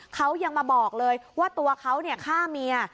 เขายังมาบอกเลยว่าตัวเขาฆ่าเมีย